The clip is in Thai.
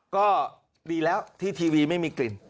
ก็ดีแล้วที่ทีวีไม่มีกลิ่น